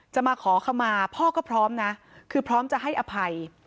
จะมาขอขมาพ่อก็พร้อมนะคือพร้อมจะให้อภัย